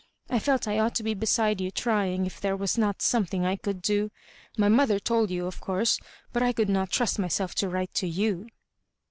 I felt I ought to be beside you trying if there was not something I could do. My mother told you of course ; but I could not trust myself to write to y<wt."